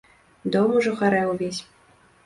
Дом ужо гарэў увесь.